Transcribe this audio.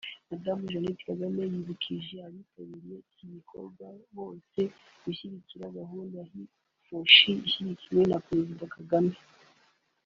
Madamu Jeannette Kagame yibukije abitabiriye iki gikorwa bose gushyigikira gahunda ya HeForShe ishyigikiwe na Perezida Kagame